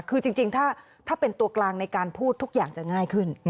คือจริงถ้าเป็นตัวกลางในการพูดทุกอย่างจะง่ายขึ้น